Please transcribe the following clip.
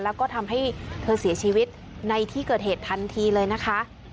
แล้วก็ทำให้เธอเสียชีวิตในที่เกิดเหตุทันทีเลยนะคะ